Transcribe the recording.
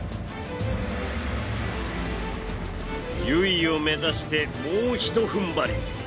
由比を目指してもうひと踏ん張り。